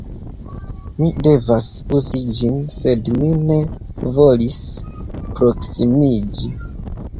Mi devas uzi ĝin sed mi ne volis proksimiĝi